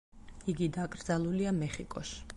იგი დაკრძალულია მეხიკოში.